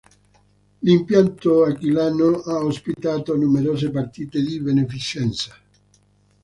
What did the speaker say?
L'impianto aquilano ha ospitato numerose partite di beneficenza.